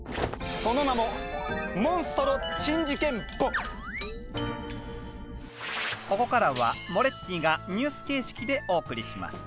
その名もここからはモレッティがニュース形式でお送りします。